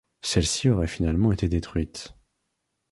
Celles-ci auraient finalement été détruites.